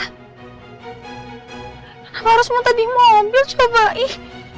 kenapa harus muntah di mobil sih mbak ih